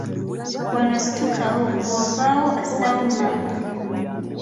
Wano situkawo, bw'ovaawo assaawo mmanvu.